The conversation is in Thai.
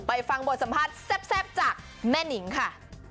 ฟังบทสัมภาษณ์แซ่บจากแม่นิงค่ะ